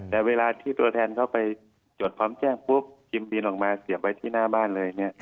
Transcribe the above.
แต่เวลาที่ตัวแทนเข้าไปจดพร้อมแจ้งปุ๊บพิมพ์บินออกมาเสียบไว้ที่หน้าบ้านเลยเนี่ย